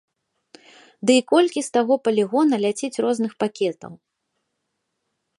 Ды й колькі з таго палігона ляціць розных пакетаў!